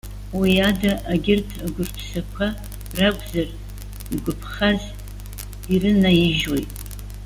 Уи ада агьырҭ агәырԥсақәа ракәзар, игәаԥхаз иранаижьуеит.